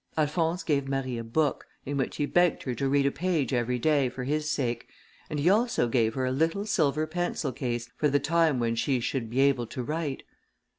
Alphonse gave Marie a book, in which he begged her to read a page every day for his sake, and he also gave her a little silver pencil case, for the time when she should be able to write.